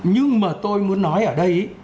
nhưng mà tôi muốn nói ở đây